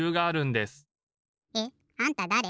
えっ？あんただれ？